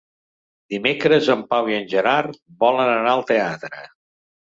Dimecres en Pau i en Gerard volen anar al teatre.